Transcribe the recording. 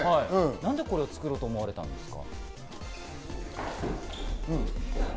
なんでこれを作ろうと思われたんですか？